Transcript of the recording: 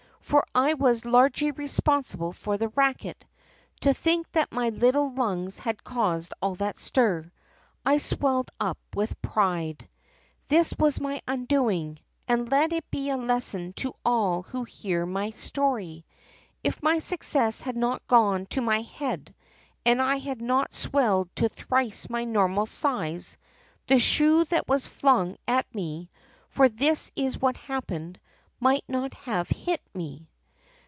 For I was largely responsible for the racket. To think that my little lungs had caused all that stir ! I swelled up with pride. This was my undoing — and let it be a lesson to all who hear my story. If my success had not gone to my head and I had not swelled to thrice my normal size the shoe that was flung at me — for this is what happened — might not have hit me.